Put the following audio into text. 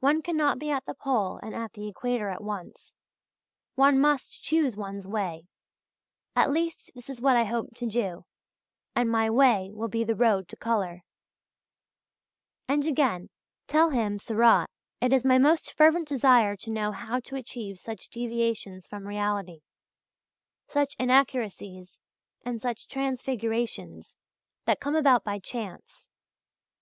One cannot be at the Pole and at the Equator at once. One must choose one's way; at least this is what I hope to do, and my way will be the road to colour" (page 137). And again: "Tell him (Seurat) it is my most fervent desire to know how to achieve such deviations from reality, such inaccuracies and such transfigurations, that come about by chance.